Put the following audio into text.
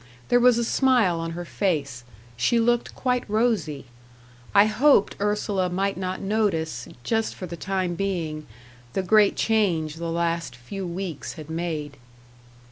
There was a smile on her face; she looked quite rosy: I hoped Ursula might not notice, just for the time being, the great change the last few weeks had made.